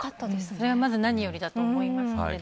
それはまず何よりだと思います。